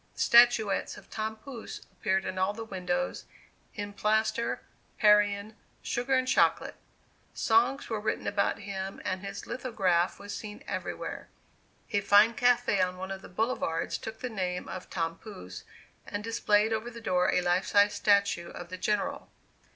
Statuettes of "Tom Pouce" appeared in all the windows, in plaster, Parian, sugar and chocolate; songs were written about him and his lithograph was seen everywhere. A fine café on one of the boulevards took the name of "Tom Pouce" and displayed over the door a life size statue of the General.